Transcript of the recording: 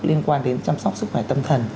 liên quan đến chăm sóc sức khỏe tâm thần